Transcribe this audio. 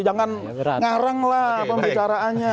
jangan ngarang lah pembicaraannya